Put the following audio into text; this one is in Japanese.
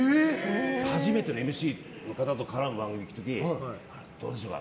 初めてのＭＣの方と絡む番組に行く時にどうでしょうか？